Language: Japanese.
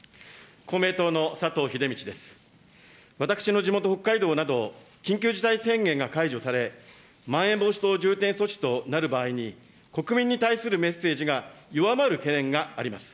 私の地元、北海道など緊急事態宣言が解除され、まん延防止等重点措置となる場合に、国民に対するメッセージが弱まる懸念があります。